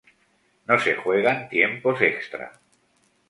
No se juegan tiempos extra.